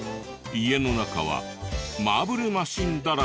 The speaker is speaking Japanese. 家の中はマーブルマシンだらけ。